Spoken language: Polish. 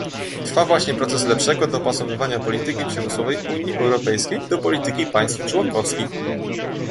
Trwa właśnie proces lepszego dopasowywania polityki przemysłowej Unii Europejskiej do polityki państw członkowskich